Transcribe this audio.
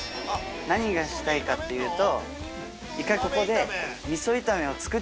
何がしたいかっていうと。